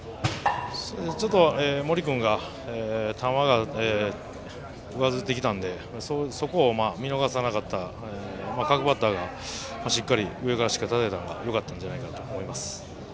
ちょっと森君が球が上ずってきたのでそこを見逃さなかった各バッターがしっかり上からたたいたのがよかったんじゃないかと思います。